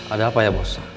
ada apa ya bos